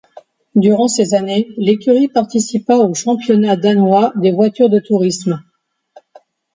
Durant ces années, l'écurie participa au Championnat danois des voitures de tourisme.